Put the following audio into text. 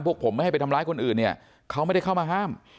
พวกผมไม่ให้ไปทำร้ายคนอื่นเนี่ยเขาไม่ได้เข้ามาห้าม